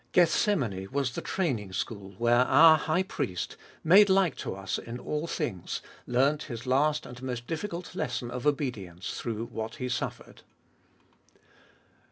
Gethsemane was the training school where our High Priest, made like to us in all things, learnt His last and most difficult lesson of obedience through what He suffered.